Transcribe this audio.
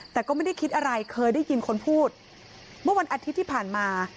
แต่ก็ไม่ได้คิดอะไรเคยได้ยินคนพูดเมื่อวันอาทิตย์ที่ผ่านมา